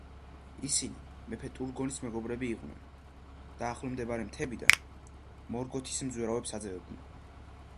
ისინი მეფე ტურგონის მეგობრები იყვნენ და ახლომდებარე მთებიდან მორგოთის მზვერავებს აძევებდნენ.